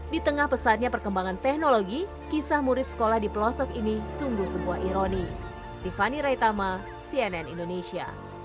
di tengah pesatnya perkembangan teknologi kisah murid sekolah di pelosok ini sungguh sungguh ironi